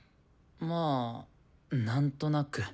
まあなんとなく。